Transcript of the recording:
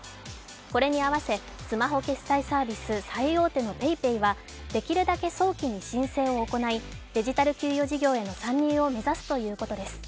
これに合わせスマホ決済サービス最大手のＰａｙＰａｙはできるだけ早期に申請を行い、デジタル給与事業への参入を目指すということです。